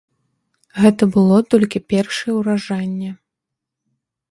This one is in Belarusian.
Гэта было толькі першае ўражанне.